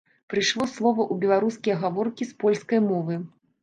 Прыйшло слова ў беларускія гаворкі з польскай мовы.